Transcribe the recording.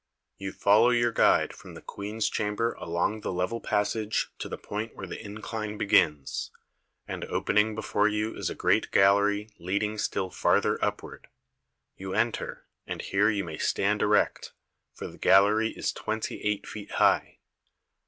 You follow your guide from the queen's cham ber along the level passage to the point where the incline begins, and opening before you is a great gallery leading still farther upward. You enter, and here you may stand erect, for the gallery is twenty eight feet high.